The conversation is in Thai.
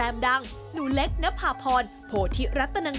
แสดงความชื่นชมในความสวยและเซ็กซี่ของเซลปคนดัง